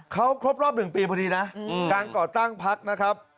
เขาครบรอบ๑ปีพอดีนะการก่อตั้งพักนะครับ